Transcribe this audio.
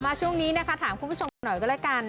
ช่วงนี้นะคะถามคุณผู้ชมกันหน่อยก็แล้วกัน